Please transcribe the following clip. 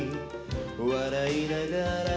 「笑いながら」